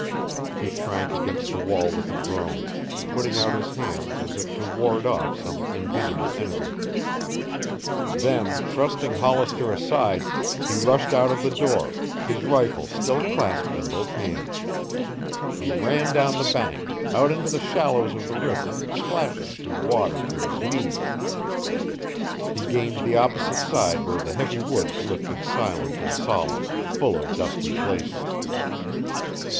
He shrank against the wall with a groan, putting out his hands as if to ward off some invisible enemy. Then, thrusting Hollister aside, he rushed out of the door, his rifle still clasped in both hands. He ran down the bank, out into the shallows of the river, splashing through water to his knees. He gained the opposite side where the heavy woods lifted silent and solemn, full of dusky places.